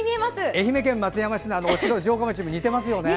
愛媛県松山市の城下町に似てますよね。